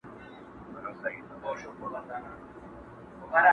زه تر ده سم زوروري لوبي کړلای!.